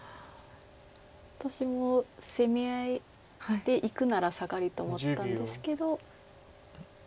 私も攻め合いでいくならサガリと思ったんですけど。